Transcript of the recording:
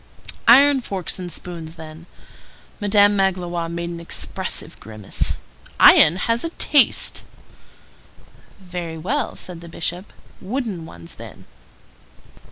"Iron forks and spoons, then." Madame Magloire made an expressive grimace. "Iron has a taste." "Very well," said the Bishop; "wooden ones then."